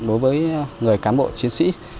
đối với người cán bộ chiến sĩ